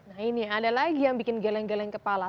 nah ini ada lagi yang bikin geleng geleng kepala